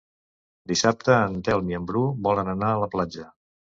Dissabte en Telm i en Bru volen anar a la platja.